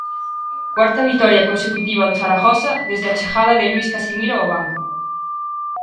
Cuarta vitoria consecutiva do Zaragoza desde a chegada de Luís Casimiro ao banco.